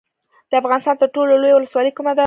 د افغانستان تر ټولو لویه ولسوالۍ کومه ده؟